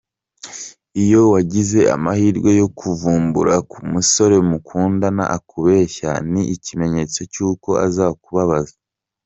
Iyo wagize amahirwe yo kuvumbura ko umusore mukundana akubeshya ni ikimenyetso cy’uko azakubabaza.